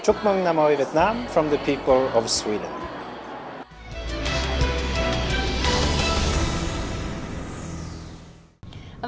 chúc mừng năm mới việt nam từ người dân của sài gòn